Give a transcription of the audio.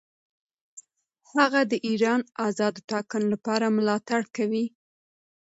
هغه د ایران آزادو ټاکنو لپاره ملاتړ کوي.